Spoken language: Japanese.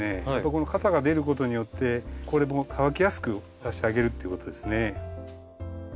この肩が出ることによってこれも乾きやすくさせてあげるっていうことですね。